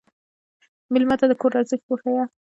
مېلمه ته د کور ارزښت وښیه.